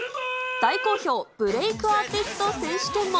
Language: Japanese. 大好評、ブレイクアーティスト選手権も。